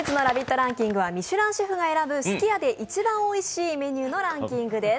ランキングはミシュランシェフが選ぶすき家で一番おいしいメニューのランキングです。